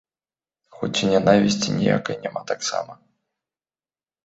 Хоць і нянавісці ніякай няма таксама.